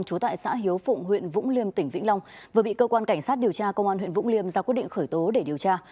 trú tại xã hiếu phụng huyện vũng liêm tỉnh vĩnh long vừa bị cơ quan cảnh sát điều tra công an huyện vũng liêm ra quyết định khởi tố để điều tra